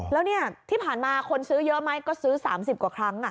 แล้วเนี่ยที่ผ่านมาคนซื้อเยอะไหมก็ซื้อ๓๐กว่าครั้ง